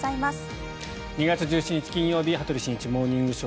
２月１７日、金曜日「羽鳥慎一モーニングショー」。